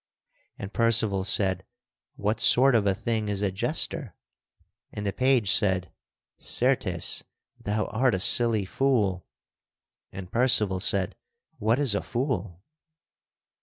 And Percival said, "What sort of a thing is a jester?" And the page said, "Certes, thou art a silly fool." And Percival said, "What is a fool?"